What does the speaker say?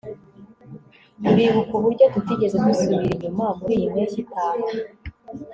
uribuka uburyo tutigeze dusubira inyuma muriyi mpeshyi itaha